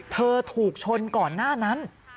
เธอถูกชนก่อนหน้านั้น